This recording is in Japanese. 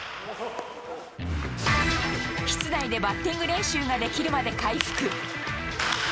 室内でバッティング練習ができるまで回復。